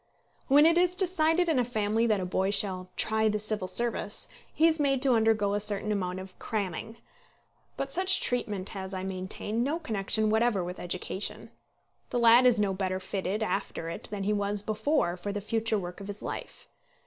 When it is decided in a family that a boy shall "try the Civil Service," he is made to undergo a certain amount of cramming. But such treatment has, I maintain, no connection whatever with education. The lad is no better fitted after it than he was before for the future work of his life.